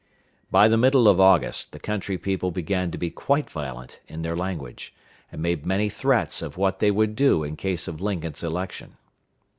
By the middle of August the country people began to be quite violent in their language, and made many threats of what they would do in case of Lincoln's election.